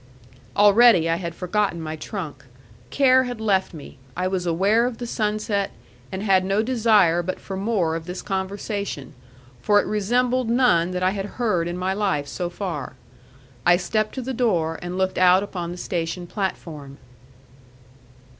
Already I had forgotten my trunk; care had left me; I was aware of the sunset, and had no desire but for more of this conversation. For it resembled none that I had heard in my life so far. I stepped to the door and looked out upon the station platform.